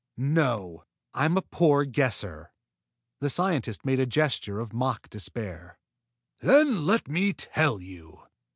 "No; I'm a poor guesser." The scientist made a gesture of mock despair. "Then let me tell you.